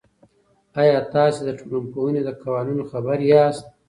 آیا تاسې د ټولنپوهنې له قوانینو خبر یاست؟